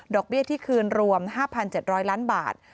เบี้ยที่คืนรวม๕๗๐๐ล้านบาท